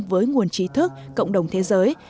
với nguồn trí thức cộng đồng thế giới